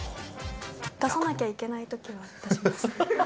出さなきゃいけないときは出します。